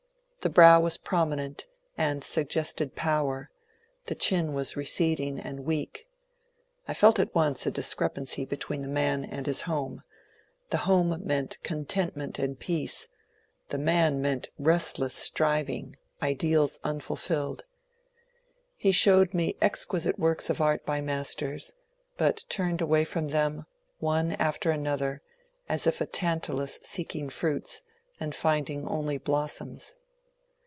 The brow was prominent, and suggested power ; the chin was receding and weak. I felt at once a discrepancy between the man and his home; the home meant content ment and peace — the man meant restless striving, ideals BUSKIN AND CARLYLE 117 unfulfilled. He showed me exquisite works of art by masters ; but turned away from them, one after another, as if a Tan talus seeking fruits and finding only blossoms.